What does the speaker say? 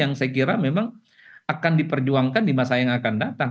yang saya kira memang akan diperjuangkan di masa yang akan datang